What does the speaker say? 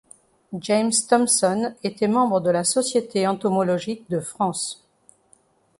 James Thomson était membre de la Société entomologique de France.